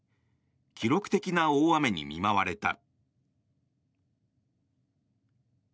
記録的な大雨に見舞われた。